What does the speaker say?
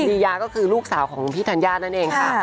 รียาก็คือลูกสาวของพี่ธัญญานั่นเองค่ะ